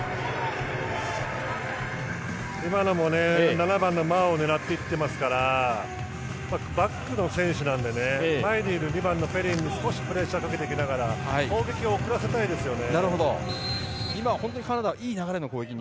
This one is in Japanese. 今のも７番のマーを狙って打ってますからバックの選手なんで前にいる２番のペリンに少しプレッシャーをかけていきながら攻撃を遅らせたいですよね。